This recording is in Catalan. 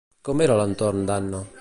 Com era l'entorn d'Anna?